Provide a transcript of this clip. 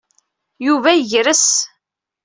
Yuba yegres.